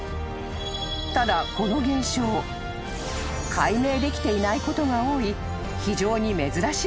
［ただこの現象解明できていないことが多い］